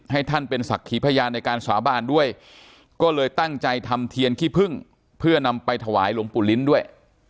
ให้ท่านเป็นศักดิ์ขีพยานในการสาบานด้วยก็เลยตั้งใจทำเทียนขี้พึ่งเพื่อนำไปถวายหลวงปู่ลิ้นด้วย